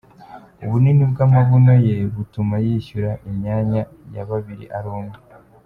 Ubunini bw’amabuno ye butuma yishyura imyanya ya babiri ari umwe